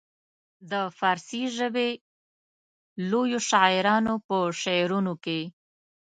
د فارسي ژبې لویو شاعرانو په شعرونو کې.